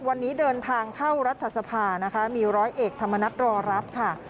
วันนี้เดินทางเข้ารัฐสภานะคะมีร้อยเอกธรรมนัฏรอรับค่ะ